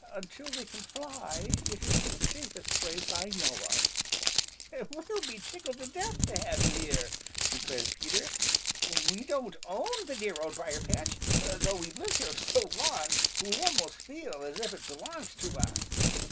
Until they can fly it is the safest place I know of." "We'll be tickled to death to have you here," declared Peter. "We don't own the dear Old Briar patch, though we've lived here so long we almost feel as if it belongs to us.